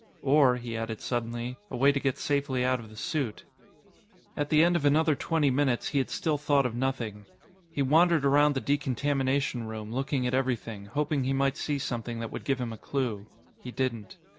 Or, he added suddenly, a way to get safely out of the suit. At the end of another twenty minutes, he had still thought of nothing. He wandered around the decontamination room, looking at everything, hoping he might see something that would give him a clue. He didn't.